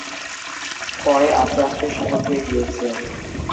পরে আস্তে আস্তে সহজ হয়ে গিয়েছে।